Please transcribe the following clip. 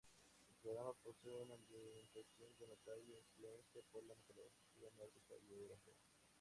El programa posee una ambientación de notable influencia por la mitología nórdica y europea.